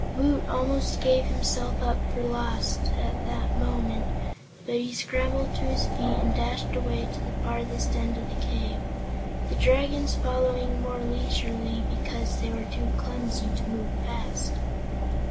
Woot almost gave himself up for lost, at that moment, but he scrambled to his feet and dashed away to the farthest end of the cave, the Dragons following more leisurely because they were too clumsy to move fast.